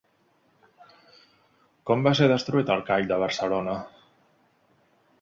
Com va ser destruït el Call de Barcelona?